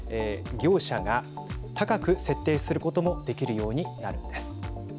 業者が高く設定することもできるようになるんです。